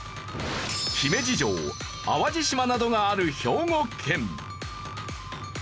姫路城淡路島などがある兵庫県。